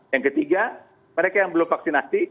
yang ketiga mereka yang belum vaksinasi